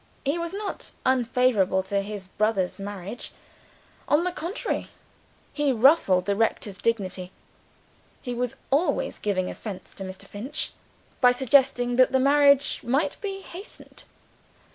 He was not unfavorable to his brother's marriage on the contrary, he ruffled the rector's dignity (he was always giving offense to Mr. Finch) by suggesting that the marriage might be hastened.